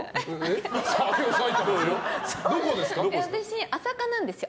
私朝霞なんですよ。